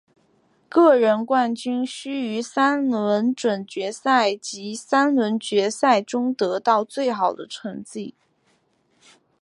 个人冠军需于三轮准决赛及三轮决赛中得到最好的成绩。